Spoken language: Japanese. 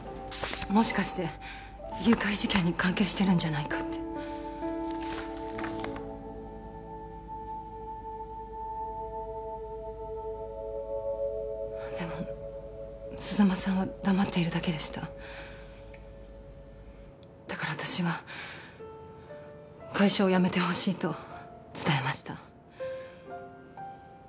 もしかして誘拐事件に関係してるんじゃないかってでも鈴間さんは黙っているだけでしただから私は会社を辞めてほしいと伝えました